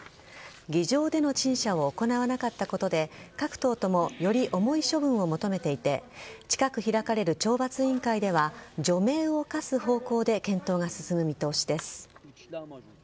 議場での陳謝を行わなかったことで各党ともより重い処分を求めていて近く開かれる懲罰委員会では除名を科す方向で検討が進む見通しです。